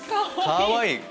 かわいい！